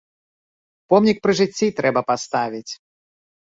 Помнік пры жыцці трэба паставіць!